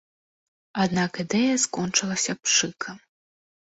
Аднак ідэя скончылася пшыкам.